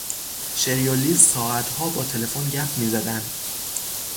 شری و لیز ساعتها با تلفن گپ میزدند.